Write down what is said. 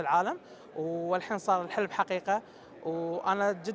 dan sekarang ini menjadi mimpi yang benar